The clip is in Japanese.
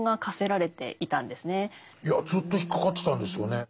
いやずっと引っ掛かってたんですよね。